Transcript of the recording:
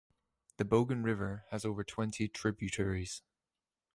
The Bogan River has over twenty tributaries.